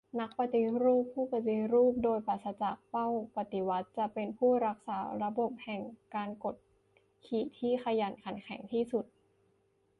นักปฏิรูปผู้ปฏิรูปโดยปราศจากเป้าปฏิวัติ จะเป็นผู้รักษาระบบแห่งการกดขี่ที่ขยันขันแข็งที่สุด